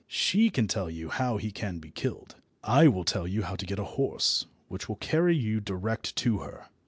She can tell you how he can be killed. I will tell you how to get a horse which will carry you direct to her.